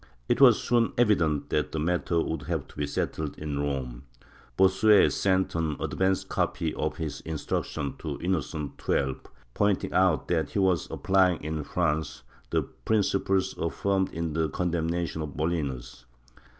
It was soon evident that the matter would have to be settled in Rome. Bossuet sent an advance copy of his Instruction to Inno cent XII, pointing out that he was applying in France the principles affirmed in the condemnation of Molinos.